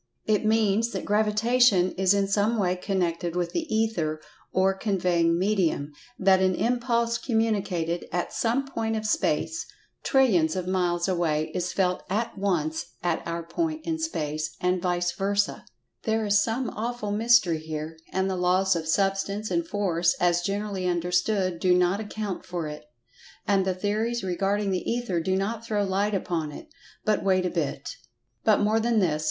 It means that Gravitation is in some way connected with the Ether, or "conveying medium," that an impulse communicated at some point of space trillions of miles away is felt at once at our point in space, and vice versa. There is some awful mystery here, and the laws of Substance, and Force, as generally understood, do not account for it. And the theories regarding the Ether do not throw light upon it. But wait a bit! But more than this.